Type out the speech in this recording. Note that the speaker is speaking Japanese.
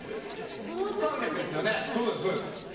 ３００ですよね。